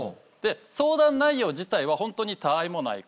相談内容自体はホントにたわいもないことで。